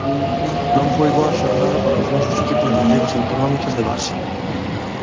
Non foi boa a xornada para os nosos equipos das ligas autonómicas de base.